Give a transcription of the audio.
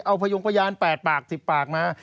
เอาพยงพยาน๘ปาก๑๐ปากมา